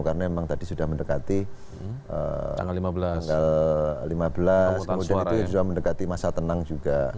karena memang tadi sudah mendekati tanggal lima belas kemudian itu sudah mendekati masa tenang juga